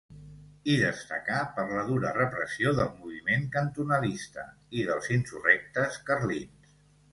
Hi destacà per la dura repressió del moviment cantonalista i dels insurrectes carlins.